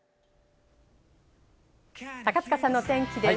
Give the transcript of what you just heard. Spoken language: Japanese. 高塚さんのお天気です。